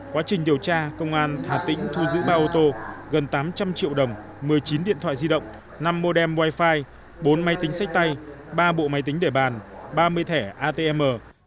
quá trình điều tra công an hà tĩnh thu giữ ba ô tô gần tám trăm linh triệu đồng một mươi chín điện thoại di động năm modem wifi bốn máy tính sách tay ba bộ máy tính để bàn ba mươi thẻ atm